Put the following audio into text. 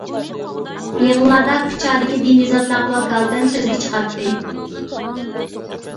يىغىنلاردا كۇچادىكى دىنى زاتلارغا ۋاكالىتەن سۆزگە چىقاتتى.